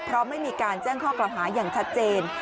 เพราะไม่มีการแจ้งข้อกล่าวหาอย่างชัดเจน